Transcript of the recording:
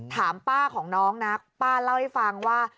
ถามป้าของน้องนะป้าเล่าให้ฟังว่า